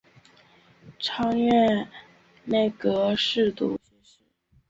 超擢内阁侍读学士。